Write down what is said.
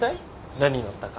何祈ったか。